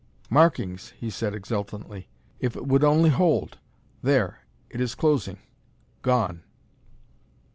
"Markings!" he said exultantly. "If it would only hold!... There, it is closing ... gone...."